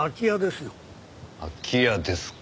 空き家ですか。